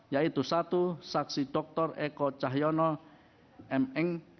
yaitu satu saksi dokter eko cahyono mn